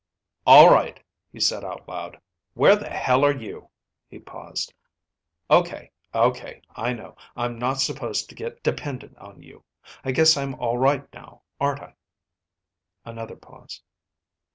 "All right," he said out loud. "Where the hell are you?" He paused. "Okay. Okay. I know. I'm not supposed to get dependent on you. I guess I'm all right now, aren't I?" Another pause.